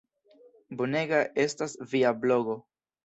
Bonega estas via blogo.